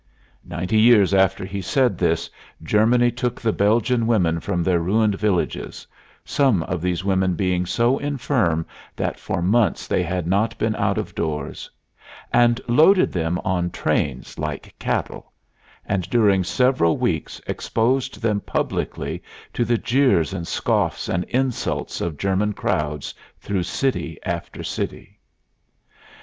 Ninety years after he said this Germany took the Belgian women from their ruined villages some of these women being so infirm that for months they had not been out of doors and loaded them on trains like cattle, and during several weeks exposed them publicly to the jeers and scoffs and insults of German crowds through city after city.